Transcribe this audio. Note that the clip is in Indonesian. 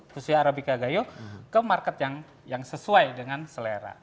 khususnya arabica gayo ke market yang sesuai dengan selera